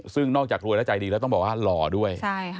ซึ่งนอกจากรวยและใจดีแล้วต้องบอกว่าหล่อด้วย